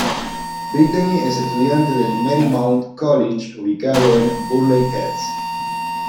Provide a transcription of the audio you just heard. Brittany es estudiante del Marymount College, ubicado en Burleigh Heads.